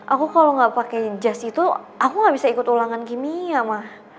aku kalau gak pakai jazz itu aku gak bisa ikut ulangan kimia ma